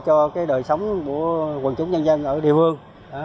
cho đời sống của quần chúng nhân dân ở địa phương